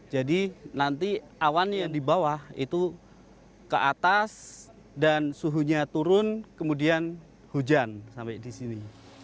jadi nanti awan yang di bawah itu ke atas dan suhunya turun kemudian hujan sampai di sini